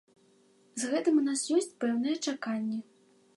З гэтым у нас ёсць пэўныя чаканні.